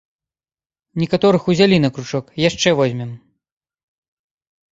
Некаторых узялі на кручок, яшчэ возьмем!